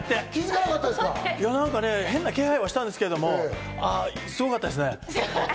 なんか、変な気配はしたんですけど、すごくかったですね。